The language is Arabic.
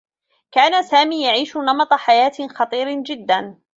كان سامي يعيش نمط حياة خطير جدّا.